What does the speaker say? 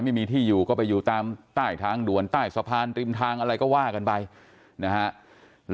ไม่มีที่อยู่ก็ไปตามต้ายทางดวนต้ายสะพานตริมทางอะไรก็ว้ากันไปนะครับ